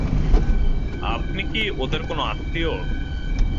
আপনি কি ওদের কোনো আত্মীয়?